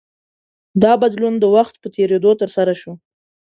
دا بدلون د وخت په تېرېدو ترسره شو.